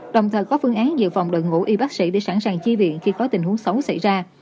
đồng thời có phương án dự phòng đội ngũ y bác sĩ để sẵn sàng chi viện khi có tình huống xấu xảy ra